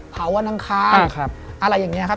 เผาวนางค้างอะไรอย่างนี้ครับ